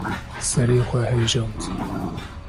‘’ serê xwe hejand.